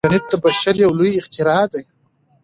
انټرنیټ د بشر یو لوی اختراع دی.